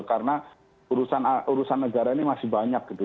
karena urusan negara ini masih banyak gitu